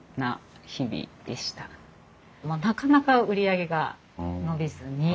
なかなか売り上げが伸びずに。